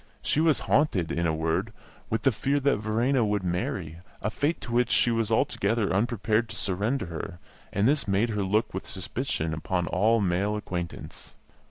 She was haunted, in a word, with the fear that Verena would marry, a fate to which she was altogether unprepared to surrender her; and this made her look with suspicion upon all male acquaintance.